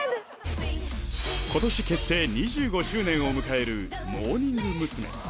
今年結成２５周年を迎えるモーニング娘。